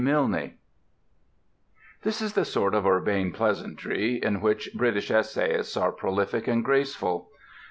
MILNE This is the sort of urbane pleasantry in which British essayists are prolific and graceful.